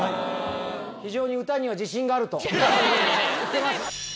非常に歌には自信があると言ってます。